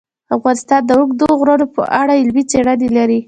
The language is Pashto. افغانستان د اوږده غرونه په اړه علمي څېړنې لري.